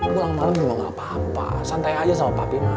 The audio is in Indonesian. balik malem bilang apa apa santai aja sama papi mah